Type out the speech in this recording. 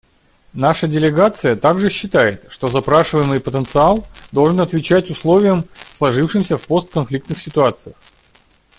Наша делегация также считает, что запрашиваемый потенциал должен отвечать условиям, сложившимся в постконфликтных ситуациях.